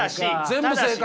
全部正解！